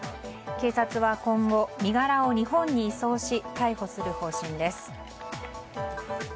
警察は今後、身柄を日本に移送し逮捕する方針です。